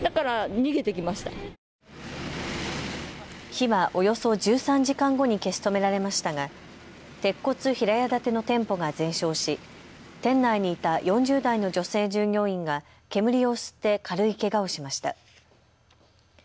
火はおよそ１３時間後に消し止められましたが鉄骨平屋建ての店舗が全焼し店内にいた４０代の女性従業員が煙を吸って軽いけがをしました。